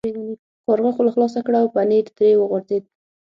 کارغه خوله خلاصه کړه او پنیر ترې وغورځید.